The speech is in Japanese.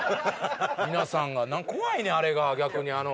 皆さんが、なんか怖いねん、あれが、逆にあの。